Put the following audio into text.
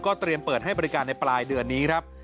เตรียมเปิดให้บริการในปลายเดือนนี้ครับ